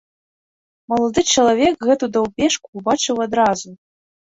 Малады чалавек гэту даўбешку ўбачыў адразу.